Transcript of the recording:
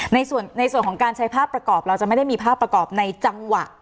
ในส่วนของการใช้ภาพประกอบเราจะไม่ได้มีภาพประกอบในจังหวะ